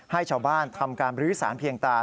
ให้ชาวบ้านทำการบรื้อสารเพียงตา